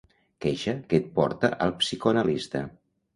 Queixa que et porta al psicoanalista.